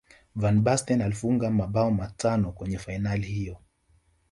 van basten alifunga mabao matano kwenye fainali hizo